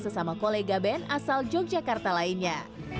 sesama kolega band asal yogyakarta lainnya